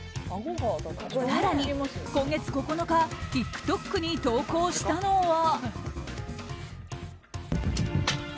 更に今月９日ＴｉｋＴｏｋに投稿したのは。